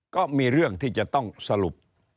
ก็มีเรื่องที่จะต้องสรุป